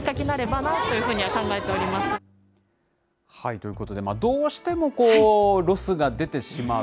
ということで、どうしてもロスが出てしまう。